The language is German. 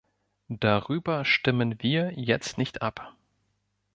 Darüber stimmen wir jetzt nicht ab.